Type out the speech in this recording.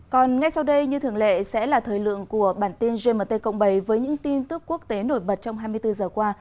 còn ngay sau đây như thường lệ sẽ là thời lượng của bản tin gmt cộng bảy với những tin tức quốc tế nổi bật trong hai mươi bốn giờ qua